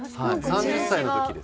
３０歳の時です。